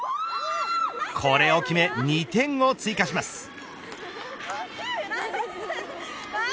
これを決め、２点を追加します。